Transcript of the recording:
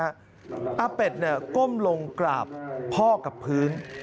อาเป็ดก้มลงกราบพ่อกับพื้น